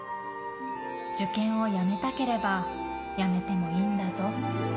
受験をやめたければやめてもいいんだぞ。